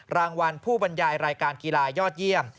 รางวัลผู้บรรยายรายการกีฬายอดเยี่ยม